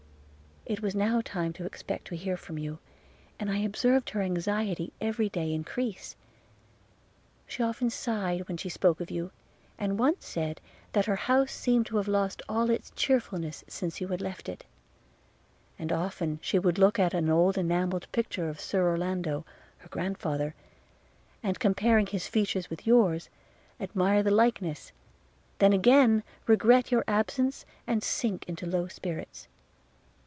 It was now time to expect to hear from you, and I observed her anxiety every day increase. She often sighed when she spoke of you, and once said, that her house seemed to have lost all its cheerfulness since you had left it; – and often she would look at an old enameled picture of Sir Orlando, her grandfather, and, comparing his features with yours, admire the likeness – then again, regret your absence, and sink into low spirits.